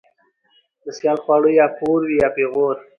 ـ د سيال خواړه يا پور وي يا پېغور.